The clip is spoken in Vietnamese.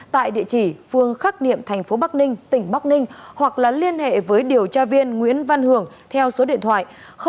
tại địa chỉ phương khắc niệm thành phố bắc ninh tỉnh bắc ninh hoặc liên hệ với điều tra viên nguyễn văn hưởng theo số điện thoại chín trăm sáu mươi năm sáu mươi sáu hai mươi hai bảy mươi bảy